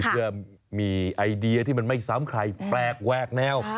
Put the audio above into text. เพื่อมีไอเดียที่มันไม่ซ้ำใครแปลกแวกแนว